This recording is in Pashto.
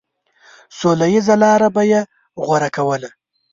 سوله ييزه لاره به يې غوره کوله.